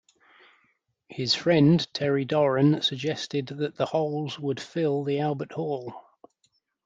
His friend Terry Doran suggested that the holes would "fill" the Albert Hall.